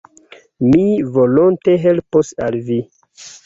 Mi volonte helpos al vi.